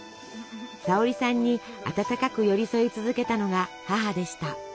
沙保里さんに温かく寄り添い続けたのが母でした。